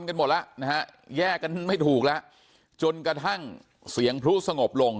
กันหมดแล้วนะฮะแยกกันไม่ถูกแล้วจนกระทั่งเสียงพลุสงบลง